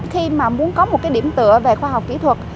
khi mà muốn có một cái điểm tựa về khoa học kỹ thuật